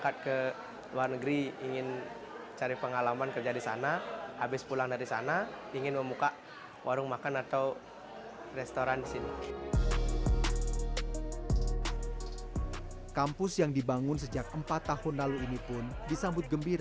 terima kasih terima kasih